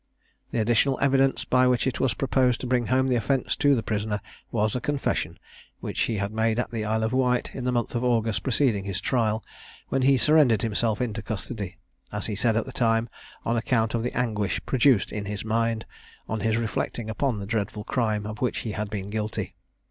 The additional evidence, by which it was proposed to bring home the offence to the prisoner, was a confession, which he had made at the Isle of Wight, in the month of August preceding his trial, when he surrendered himself into custody, as he said at the time, on account of the anguish produced in his mind, on his reflecting upon the dreadful crime of which he had been guilty.